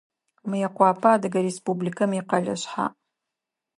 Мыекъуапэ Адыгэ Республикэм икъэлэ шъхьаӏ.